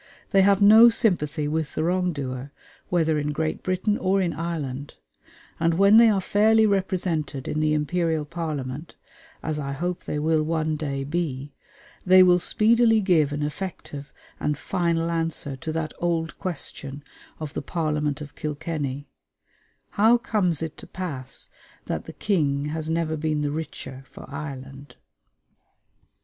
They have no sympathy with the wrong doer, whether in Great Britain or in Ireland; and when they are fairly represented in the Imperial Parliament, as I hope they will one day be, they will speedily give an effective and final answer to that old question of the Parliament of Kilkenny "How comes it to pass that the King has never been the richer for Ireland?"